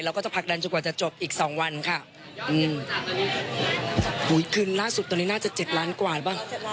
แล้วก็จะผลักดันจนกว่าจะจบอีกสองวันค่ะอืมอุ้ยคืนล่าสุดตอนนี้น่าจะเจ็ดล้านกว่าป่ะ